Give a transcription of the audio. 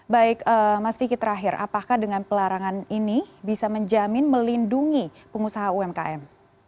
baik mas vicky terakhir apakah dengan pelarangan ini bisa menjamin melindungi pengusaha umkm